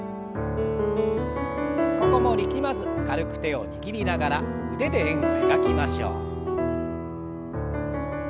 ここも力まず軽く手を握りながら腕で円を描きましょう。